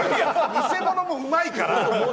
偽者もうまいから。